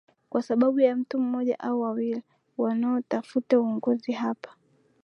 kwa sababu ya mtu mmoja au wawili wanotafuta uongozi hapana